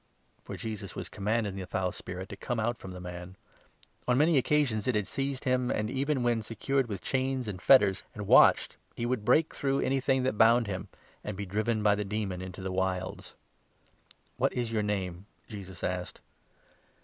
For Jesus was commanding the foul spirit to come out from 29 the man. On many occasions it had seized him, and, even when secured with chains and fetters, and watched, he would break through anything that bound him, and be driven by the demon into the Wilds. " What is your name ?" Jesus asked.